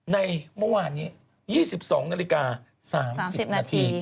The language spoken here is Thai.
ในเมื่อวานนี้๒๒นาฬิกา๓๐นาที